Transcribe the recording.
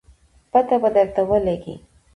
پته به درته ولګي